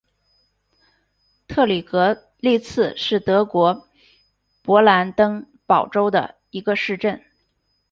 特里格利茨是德国勃兰登堡州的一个市镇。